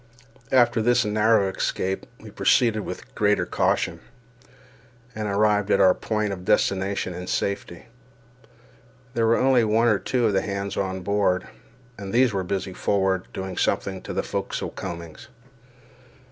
After this narrow escape we proceeded with greater caution, and arrived at our point of destination in safety. There were only one or two of the hands on board, and these were busy forward, doing something to the forecastle combings.